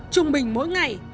trung bình mỗi ngày